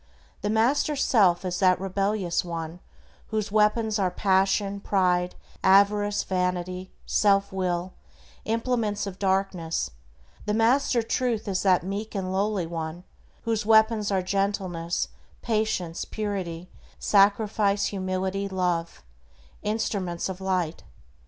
The master self is that rebellious one whose weapons are passion, pride, avarice, vanity, self will, implements of darkness; the master Truth is that meek and lowly one whose weapons are gentleness, patience, purity, sacrifice, humility, love, instruments of Light.